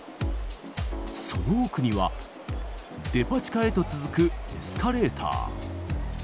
その奥には、デパ地下へと続くエスカレーター。